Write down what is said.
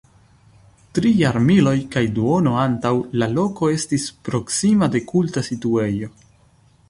Tri jarmiloj kaj duono antaŭ, la loko estis proksima de kulta situejo.